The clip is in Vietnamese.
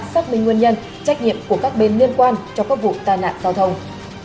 xác minh nguyên nhân trách nhiệm của các bên liên quan cho các vụ tai nạn giao thông